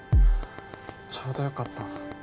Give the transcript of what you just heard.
ちょうどよかった。